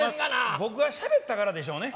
僕がしゃべったからでしょうね。